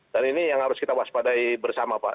dan ini yang harus kita waspadai bersama pak